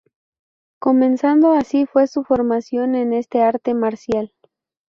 Comenzando así su formación en este arte marcial.